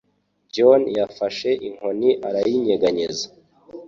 John yafashe inkoni arayinyeganyeza.